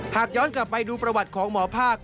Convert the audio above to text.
หากย้อนกลับไปดูประวัติของหมอภาค